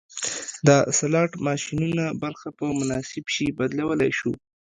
د سلاټ ماشینونو برخه په مناسب شي بدلولی شو